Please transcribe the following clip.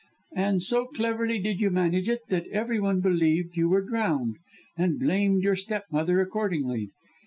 And so cleverly did you manage it, that every one believed you were drowned, and blamed your stepmother accordingly.